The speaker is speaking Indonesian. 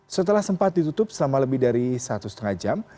setelah sempat ditutup selama lebih dari satu setengah jam